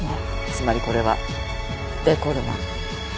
つまりこれはデコルマン。